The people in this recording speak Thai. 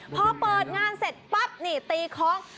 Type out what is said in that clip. พอเปิดงานเสร็จปั๊บนี่ตีคล้อง